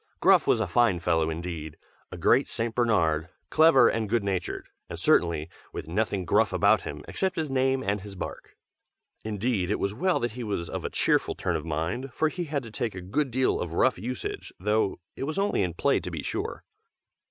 Gruff was a fine fellow, indeed; a great St. Bernard, clever and good natured, and certainly with nothing gruff about him except his name and his bark. Indeed, it was well that he was of a cheerful turn of mind, for he had to take a good deal of rough usage, though it was only in play, to be sure.